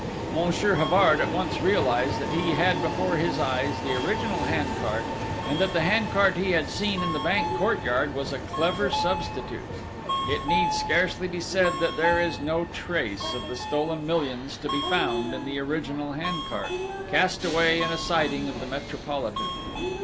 "Monsieur Havard at once realised that he had before his eyes the original hand cart, and that the hand cart he had seen in the bank courtyard was a clever substitute! It need scarcely be said that there is no trace of the stolen millions to be found in the original hand cart, cast away in a siding of the Metropolitan....